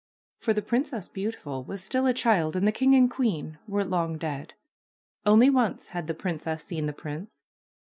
For the Princess Beautiful was still a child and the king and queen were long dead. Only once had the princess seen the prince.